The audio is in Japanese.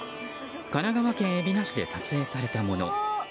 神奈川県海老名市で撮影されたもの。